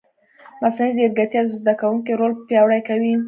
مصنوعي ځیرکتیا د زده کوونکي رول پیاوړی کوي.